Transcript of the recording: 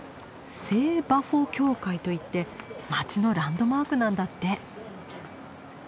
聖バフォ教会といって街のランドマークなんだって。